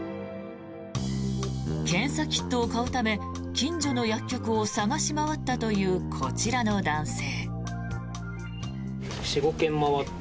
検査キットを買うため近所の薬局を探し回ったというこちらの男性。